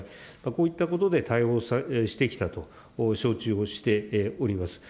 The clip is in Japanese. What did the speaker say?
こういったことで対応してきたと承知をしております。